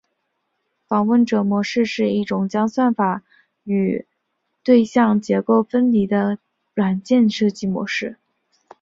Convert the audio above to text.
访问者模式是一种将算法与对象结构分离的软件设计模式。